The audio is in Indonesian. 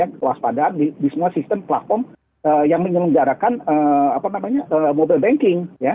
kewaspadaan di semua sistem platform yang menyelenggarakan mobile banking